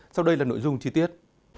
sau đây là nội dung chi tiết